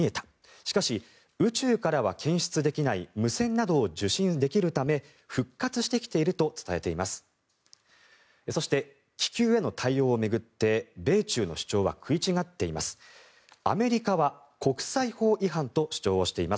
しかし宇宙からは検出できない無線などを受信できるため復活してきていると伝えています。